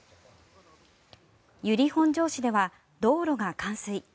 由利本荘市では道路が冠水。